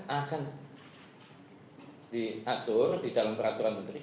akan diatur di dalam peraturan menteri